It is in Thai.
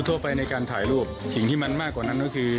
ทั่วไปในการถ่ายรูปสิ่งที่มันมากกว่านั้นก็คือ